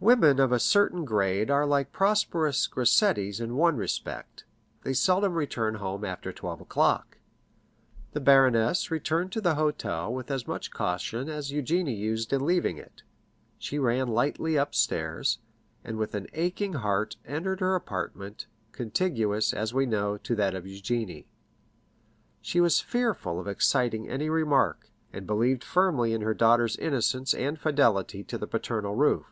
Women of a certain grade are like prosperous grisettes in one respect, they seldom return home after twelve o'clock. The baroness returned to the hotel with as much caution as Eugénie used in leaving it; she ran lightly upstairs, and with an aching heart entered her apartment, contiguous, as we know, to that of Eugénie. She was fearful of exciting any remark, and believed firmly in her daughter's innocence and fidelity to the paternal roof.